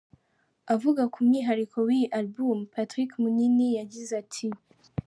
Avuga ku mwihariko w'iyi Album, Patrick Munini yagize ati:.